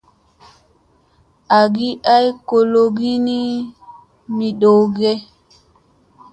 Agi ay gologi ni me dow ge.